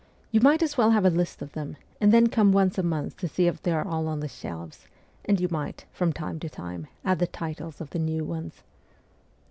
You might as well have a list of them, and then come once a month to see if they are all on the shelves ; and you might, from time to time, add the titles of the new ones.'